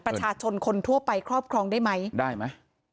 ประชาชนคนทั่วไปครอบครองได้ไหมได้ไหม